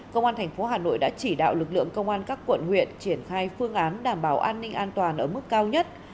công an thành phố hà nội đã chỉ đạo lực lượng công an các quận huyện triển khai phương án đảm bảo an ninh an toàn ở mức cao nhất